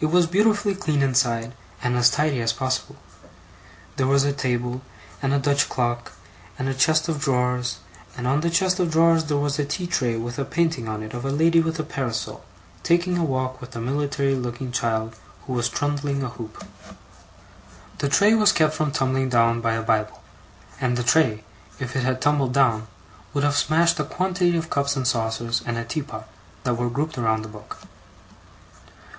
It was beautifully clean inside, and as tidy as possible. There was a table, and a Dutch clock, and a chest of drawers, and on the chest of drawers there was a tea tray with a painting on it of a lady with a parasol, taking a walk with a military looking child who was trundling a hoop. The tray was kept from tumbling down, by a bible; and the tray, if it had tumbled down, would have smashed a quantity of cups and saucers and a teapot that were grouped around the book.